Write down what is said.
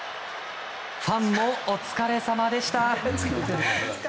ファンもお疲れさまでした。